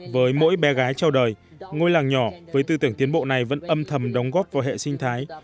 với mỗi bé gái trao đời ngôi làng nhỏ với tư tưởng tiến bộ này vẫn âm thầm đóng góp vào hệ sinh thái